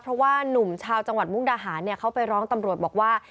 เพราะว่านุ่มชาวจังหวัดมุกดาหารเขาไปร้องตำรวจบอกว่า